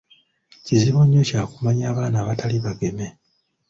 Kizibu nnyo kya kumanya abaana abatali bageme.